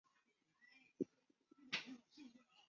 担任天津滨海新区塘沽环卫工人。